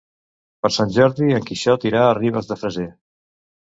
Per Sant Jordi en Quixot irà a Ribes de Freser.